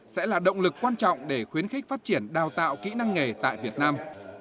sẽ là động lực quan trọng để khuyến khích phát triển đào tạo kỹ năng nghề tại việt nam